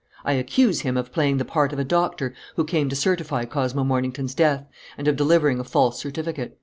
I accuse him of playing the part of a doctor who came to certify Cosmo Mornington's death and of delivering a false certificate.